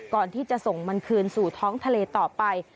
ก่อนที่จะส่งมันคืนสู่ท้องทะเลต่อไป